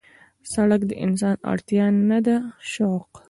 سړک د انسان اړتیا ده نه شوق.